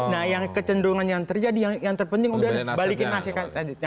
nah yang kecenderungan yang terjadi yang terpenting udah balikin asetnya